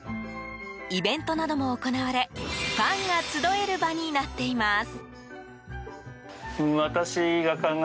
イベントなども行われファンが集える場になっています。